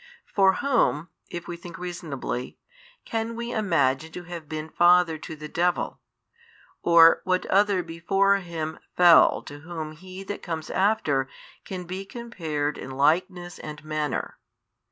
For whom (if we think reasonably) can we imagine to have been father to the devil, or what other before him fell to whom he that comes after can be compared in likeness and manner